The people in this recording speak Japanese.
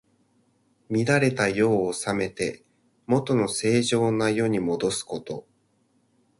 乱れた世を治めて、もとの正常な世にもどすこと。